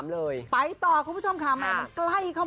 ๒๘๙๒๓เลยไปต่อคุณผู้ชมค่ะอีกใกล้เข้ามาอีกแล้ว